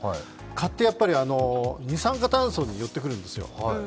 蚊って二酸化炭素に寄ってくるんですよ。